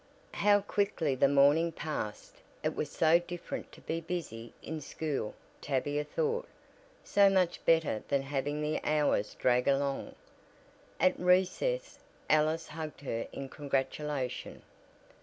How quickly the morning passed! It was so different to be busy in school, Tavia thought, so much better than having the hours drag along. At recess Alice hugged her in congratulation.